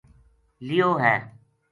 لیو ہے